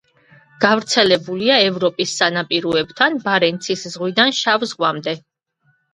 გავრცელებულია ევროპის სანაპიროებთან ბარენცის ზღვიდან შავ ზღვამდე.